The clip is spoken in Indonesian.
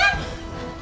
nanti kita pergi